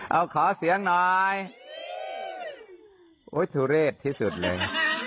เอาขอเสียงหน่อยโอ๊ยสุเรศที่สุดเลย